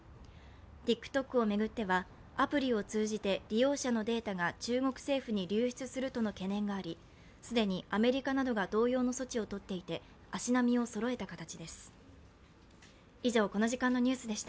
ＴｉｋＴｏｋを巡ってはアプリを通じて利用者のデータが中国政府に流出するとの懸念があり、既にアメリカなどが同様の措置をとっていて、足並みをそろえた形です。